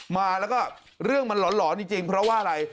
มาแล้วก็เรื่องมันหลอนจริงเพราะว่าอะไร